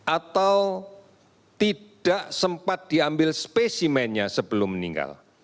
atau tidak sempat diambil spesimennya sebelum meninggal